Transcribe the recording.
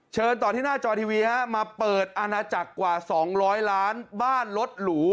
เชิญต่อที่หน้าจอทีวีฮะมาเปิดอาณาจักรกว่า๒๐๐ล้านบ้านรถหรู